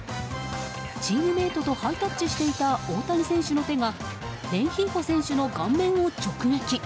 チームメートとハイタッチしていた大谷選手の手がレンヒーフォ選手の顔面に直撃。